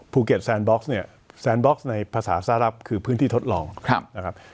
แซนบ็อกซ์เนี่ยแซนบ็อกซ์ในภาษาซารับคือพื้นที่ทดลองนะครับ